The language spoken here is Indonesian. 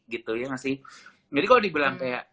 gitu ya gak sih jadi kalo dibilang kayak